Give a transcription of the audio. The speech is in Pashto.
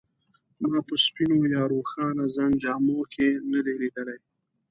ما په سپینو یا روښانه رنګ جامو کې نه دی لیدلی.